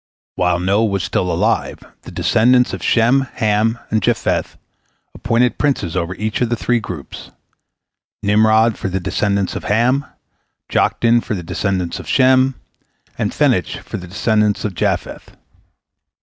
While Noah was still alive, the descendants of Shem, Ham, and Japheth appointed princes over each of the three groups—Nimrod for the descendants of Ham, Joktan for the descendants of Shem, and Phenech for the descendants of Japheth.